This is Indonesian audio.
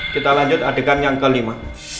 kita lanjut adegan yang kelima